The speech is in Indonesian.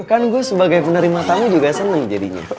kan gue sebagai penari matamu juga senang jadinya